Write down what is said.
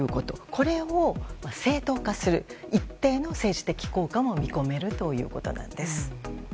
これを正当化する一定の政治的効果も見込めるということなんです。